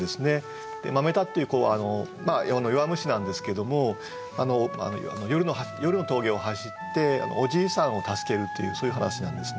豆太って弱虫なんですけども夜の峠を走っておじいさんを助けるというそういう話なんですね。